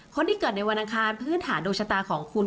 คนที่เกิดในวันอังคารพื้นฐานดวงชะตาของคุณ